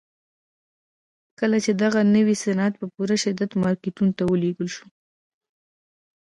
کله چې دغه نوي صنعت په پوره شدت مارکيټونو ته ولېږل شو.